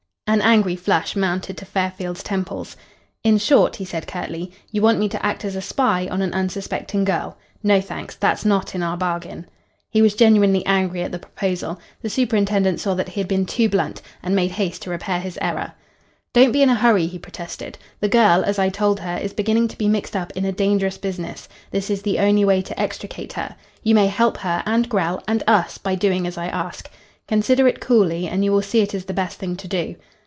An angry flush mounted to Fairfield's temples. "In short," he said curtly, "you want me to act as a spy on an unsuspecting girl. No, thanks. That's not in our bargain." He was genuinely angry at the proposal. The superintendent saw that he had been too blunt, and made haste to repair his error. "Don't be in a hurry," he protested. "The girl, as I told her, is beginning to be mixed up in a dangerous business. This is the only way to extricate her. You may help her and Grell and us by doing as I ask. Consider it coolly, and you will see it is the best thing to do."